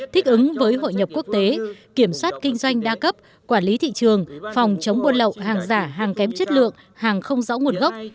thích ứng với hội nhập quốc tế kiểm soát kinh doanh đa cấp quản lý thị trường phòng chống buôn lậu hàng giả hàng kém chất lượng hàng không rõ nguồn gốc